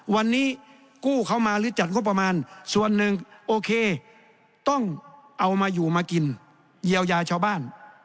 วันนี้กู้เขามาหรือจัดงบประมาณส่วนหนึ่งโอเคต้องเอามาอยู่มากินเยียวยาชาวบ้าน